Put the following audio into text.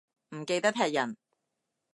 唔記得踢人